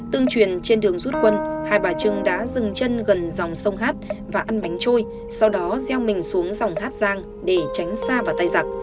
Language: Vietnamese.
tương truyền trên đường rút quân hai bà trưng đã dừng chân gần dòng sông hát và ăn bánh chui sau đó gieo mình xuống dòng hát giang để tránh xa vào tay giặc